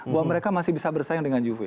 bahwa mereka masih bisa bersaing dengan juve